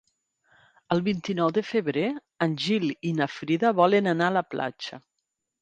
El vint-i-nou de febrer en Gil i na Frida volen anar a la platja.